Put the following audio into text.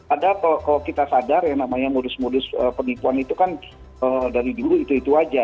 ada kalau kita sadar yang namanya modus modus penipuan itu kan dari dulu itu itu aja